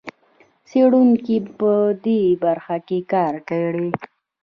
څېړونکو په دې برخه کې کار کړی.